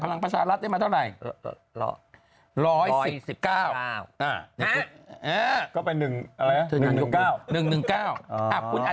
พลังประชารัฐได้มาเท่าไหร่